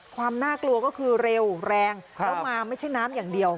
ความน่ากลัวก็คือเร็วแรงแล้วมาไม่ใช่น้ำอย่างเดียว